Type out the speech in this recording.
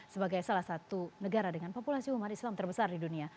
sebagai salah satu negara dengan populasi umat islam terbesar di dunia